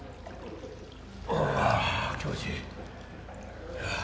ああ気持ちいい。